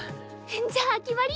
じゃあ決まり！